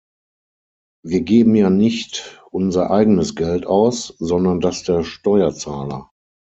Wir geben ja nicht unser eigenes Geld aus, sondern das der Steuerzahler.